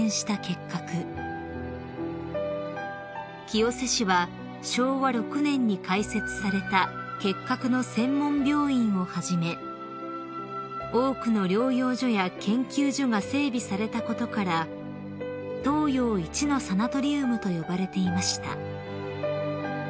［清瀬市は昭和６年に開設された結核の専門病院をはじめ多くの療養所や研究所が整備されたことから東洋一のサナトリウムと呼ばれていました］